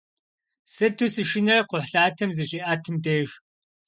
Сыту сышынэрэ кхъухьлъатэм зыщиӏэтым деж!